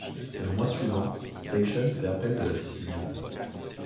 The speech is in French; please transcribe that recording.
Le mois suivant, Steichen fait appel de la décision.